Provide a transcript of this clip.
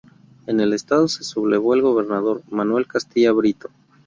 En el estado se sublevó el gobernador Manuel Castilla Brito.